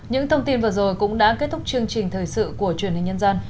những thông tin vừa rồi cũng đã kết thúc chương trình thời sự của truyền hình nhân dân